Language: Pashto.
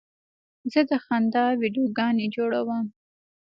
زه د خندا ویډیوګانې جوړوم.